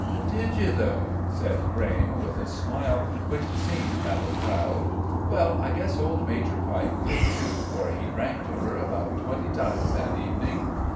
"Did you, though?" said Crayme, with a smile which seemed rather proud; "well, I guess old Major Pike did too, for he drank to her about twenty times that evening.